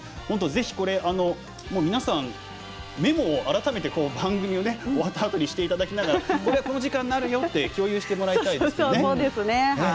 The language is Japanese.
本当ぜひ、皆さんメモを改めて、番組を終わったあとにしていただきながらこの時間になるよって共有してもらいたいですよね。